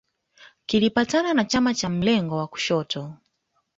Kilipatana na chama cha mlengo wa kushoto